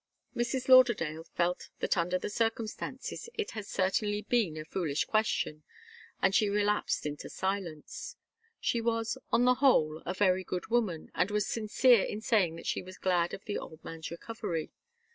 Mrs. Lauderdale felt that under the circumstances it had certainly been a very foolish question, and she relapsed into silence. She was, on the whole, a very good woman, and was sincere in saying that she was glad of the old man's recovery.